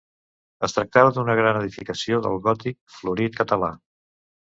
Es tractava d'una gran edificació del gòtic florit català.